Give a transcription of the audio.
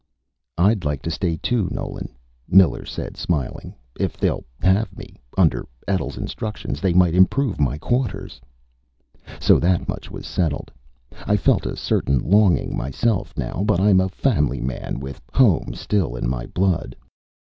"I'd like to stay too, Nolan," Miller said, smiling. "If they'll have me. Under Etl's instructions, they might improve my quarters." So that much was settled. I felt a certain longing myself now. But I'm a family man, with home still in my blood.